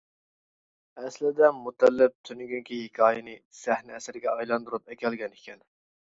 ئەسلىدە مۇتەللىپ تۈنۈگۈنكى ھېكايىنى سەھنە ئەسىرىگە ئايلاندۇرۇپ ئەكەلگەنىكەن.